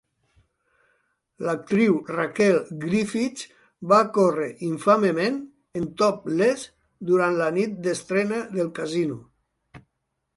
L'actriu Rachel Griffiths va córrer infamement, en topless, durant la nit d'estrena del casino.